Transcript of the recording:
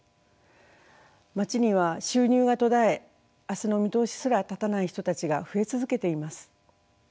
町には収入が途絶え明日の見通しすら立たない人たちが増え続けています。